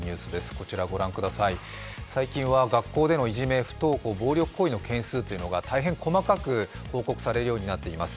こちらご覧ください、最近では学校のいじめ、不登校、暴力行為の件数が大変細かく報告されるようになっています。